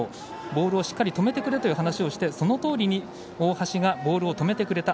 ボールをしっかり止めてくれという話をしてそのとおりに大橋がボールを止めてくれた。